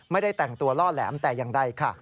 ไม่ได้แต่งตัวล่อแหลมแต่อย่างใดค่ะ